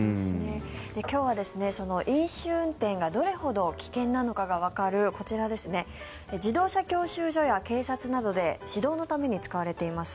今日は飲酒運転がどれほど危険なのかがわかるこちら自動車教習所や警察などで指導のために使われています